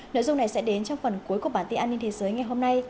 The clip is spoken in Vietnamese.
nội dung này sẽ đến trong phần cuối của bản tin an ninh thế giới ngày hôm nay